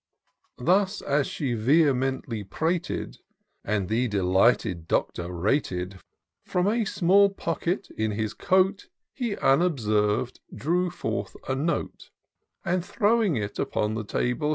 Thus, as she vehemently prated, And the delighted Doctor rated. From a small pocket in his coat, He unobserv'd drew forth a note, And throwing it upon the table.